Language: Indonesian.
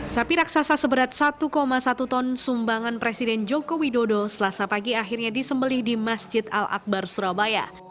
sapi raksasa seberat satu satu ton sumbangan presiden joko widodo selasa pagi akhirnya disembelih di masjid al akbar surabaya